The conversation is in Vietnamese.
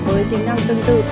với tính năng tương tự